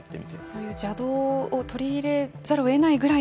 そういう邪道を取り入れざるをえないぐらい